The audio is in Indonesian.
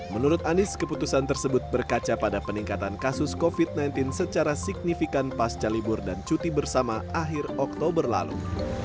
menurut anies keputusan tersebut berkaca pada peningkatan kasus covid sembilan belas secara signifikan pasca libur dan cuti bersama akhir oktober lalu